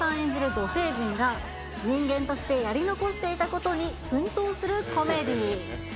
土星人が、人間としてやり残していたことに奮闘するコメディー。